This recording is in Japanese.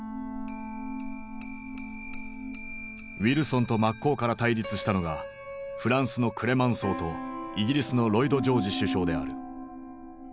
ウィルソンと真っ向から対立したのがフランスのクレマンソーとイギリスのロイド・ジョージ首相である。